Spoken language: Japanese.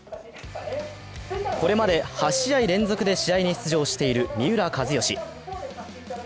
これまで８試合連続で試合に出場している三浦知良。